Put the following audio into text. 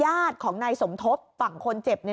ญาติของนายสมทบฝั่งคนเจ็บ